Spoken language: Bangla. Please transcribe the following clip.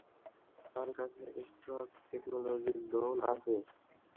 তার কাছে স্টার্ক টেকনোলজির ড্রোন আছে।